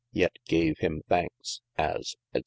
yet gave him thankes as &c.